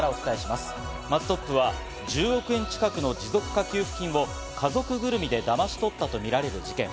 まずトップは１０億円近くの持続化給付金を家族ぐるみでだまし取ったとみられる事件。